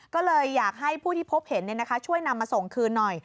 ก็เลยอยากให้ผู้ที่พบเห็นช่วยนำมาส่งคืนหน่อย